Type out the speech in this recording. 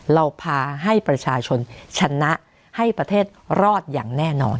เราพาให้ประชาชนชนะให้ประเทศรอดอย่างแน่นอน